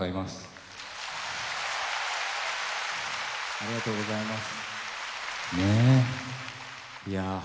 ありがとうございます。